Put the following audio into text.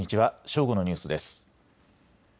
正午のニュースです。